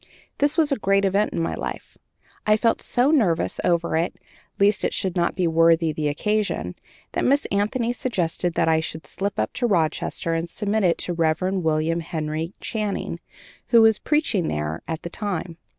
That was a great event in my life. I felt so nervous over it, lest it should not be worthy the occasion, that Miss Anthony suggested that I should slip up to Rochester and submit it to the Rev. William Henry Channing, who was preaching there at that time.